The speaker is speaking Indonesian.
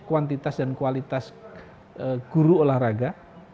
kuantitas dan kualitas guru olahraga